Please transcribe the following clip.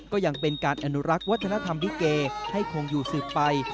ก็ยังเป็นการอนุรักษ์วัฒนธรรมลิเกให้คงอยู่สืบไป